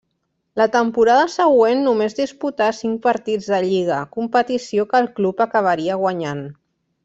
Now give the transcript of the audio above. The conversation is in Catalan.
La temporada següent només disputà cinc partits de lliga, competició que el club acabaria guanyant.